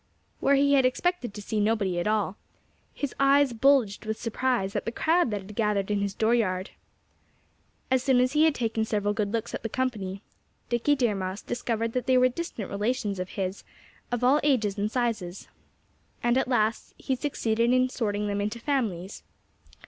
Where he had expected to see nobody at all, his eyes bulged with surprise at the crowd that had gathered in his dooryard. As soon as he had taken several good looks at the company, Dickie Deer Mouse discovered that they were distant relations of his, of all ages and sizes. And at last he succeeded in sorting them into families.